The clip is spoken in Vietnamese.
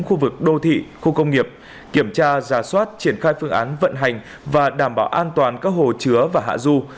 khu vực đô thị khu công nghiệp kiểm tra giả soát triển khai phương án vận hành và đảm bảo an toàn các hồ chứa và hạ du